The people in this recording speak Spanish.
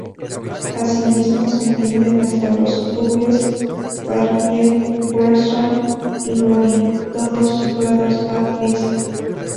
Asimismo se extiende hasta los suburbios Fairview, Gresham y Boring, todos situados al este.